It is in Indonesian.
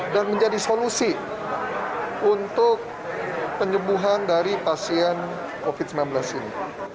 dan menjadi solusi untuk penyembuhan dari pasien covid sembilan belas ini